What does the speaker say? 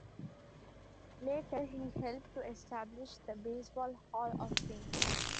Later he helped to establish the Baseball Hall of Fame.